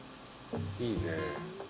いいね。